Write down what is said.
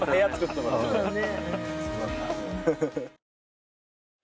そうだね。